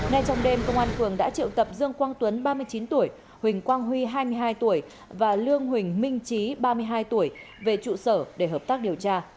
ngay trong đêm công an phường đã triệu tập dương quang tuấn ba mươi chín tuổi huỳnh quang huy hai mươi hai tuổi và lương huỳnh minh trí ba mươi hai tuổi về trụ sở để hợp tác điều tra